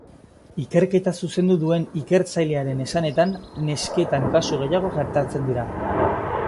Ikerketa zuzendu duen ikertzailearen esanetan, nesketan kasu gehiago gertatzen dira.